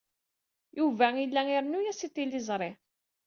Yuba yella irennu-as i tliẓri.